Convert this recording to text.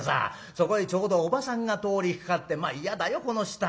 そこへちょうどおばさんが通りかかって『まあ嫌だよこの人は。